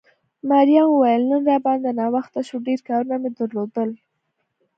مريم وویل نن را باندې ناوخته شو، ډېر کارونه مې درلودل.